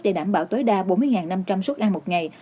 để đảm bảo tối đa bốn mươi năm trăm linh suất ăn một ngày